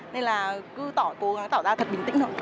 nên là cứ cố gắng tỏ ra thật bình tĩnh thôi